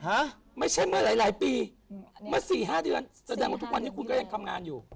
ฮะไม่ใช่เมื่อหลายหลายปีอืมเมื่อสี่ห้าเดือนแสดงว่าทุกวันนี้คุณก็ยังทำงานอยู่